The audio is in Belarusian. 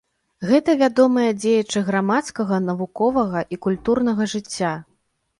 Гэта вядомыя дзеячы грамадскага, навуковага і культурнага жыцця.